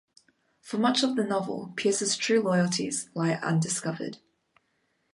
For much of the novel, Pierce's true loyalties lie undiscovered.